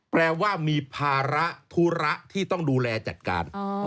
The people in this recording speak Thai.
แปลว่ามีภาระธุระที่ต้องดูแลจัดการ